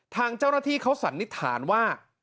ทางเจ้าหน้าที่เขาสันนิษฐานว่า